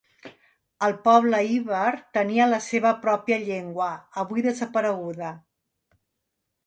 El poble iber tenia la seva pròpia llengua, avui desapareguda.